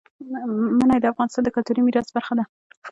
منی د افغانستان د کلتوري میراث برخه ده.